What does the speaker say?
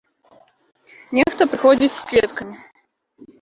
Нехта прыходзіць з кветкамі.